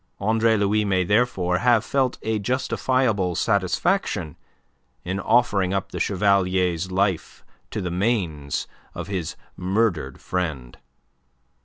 Andre Louis may therefore have felt a justifiable satisfaction in offering up the Chevalier's life to the Manes of his murdered friend.